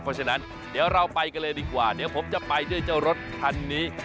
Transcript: เพราะฉะนั้นเดี๋ยวเราไปกันเลยดีกว่าเดี๋ยวผมจะไปด้วยเจ้ารถคันนี้